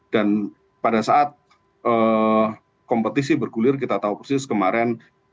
dan pada saat kompetisi bergulir kita tahu persis kemarin